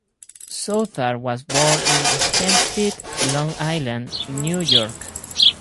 Southard was born in Hempstead, Long Island, New York.